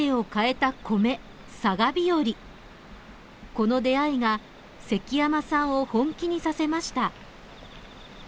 この出会いが関山さんを本気にさせました。